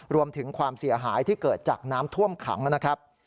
รวมถึงความเสียหายที่เกิดจากน้ำท่วมขังนะครับ